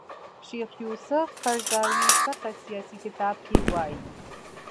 شیخ یوسف قرضاوي فقه سیاسي کتاب کې وايي